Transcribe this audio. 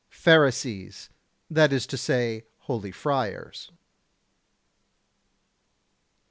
106. Pharisees, that is to say, holy friars.